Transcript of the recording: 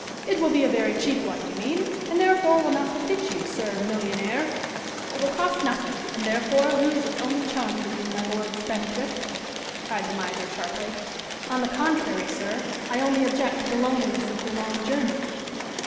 "It will be a very cheap one, you mean, and, therefore, will not befit you, Sir Millionaire! It will cost nothing, and, therefore, lose its only charm for you, my Lord Spendthrift," cried the miser, sharply. "On the contrary, sir, I only object to the loneliness of the long journey."